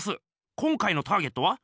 今回のターゲットは？